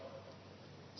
heboh sekali di drop